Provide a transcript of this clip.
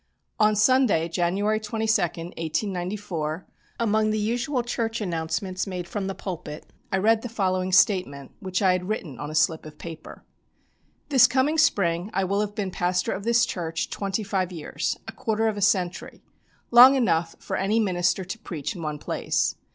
On Sunday, January 22, 1894, among the usual church announcements made from the pulpit, I read the following statement, which I had written on a slip of paper: "This coming spring I will have been pastor of this church twenty five years a quarter of a century long enough for any minister to preach in one place.